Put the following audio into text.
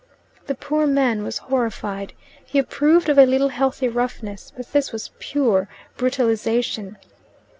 The poor man was horrified. He approved of a little healthy roughness, but this was pure brutalization.